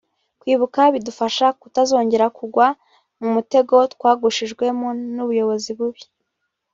Kwibuka bidufasha kutazongera kugwa mu mutego twagushijwemo n’ubuyobozi bubi